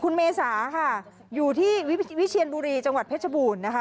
คุณเมษาค่ะอยู่ที่วิเชียนบุรีจังหวัดเพชรบูรณ์นะคะ